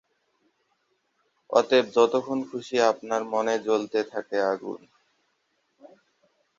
অতএব যতক্ষণ খুশি আপন মনে জ্বলতে থাকে আগুন।